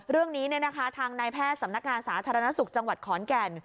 เรื่องนี้ทางนายแพทย์สำนักงานสาธารณสุขจังหวัดขอนแก่น